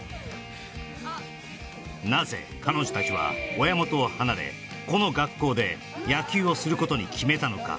なぜ彼女たちは親元を離れこの学校で野球をすることに決めたのか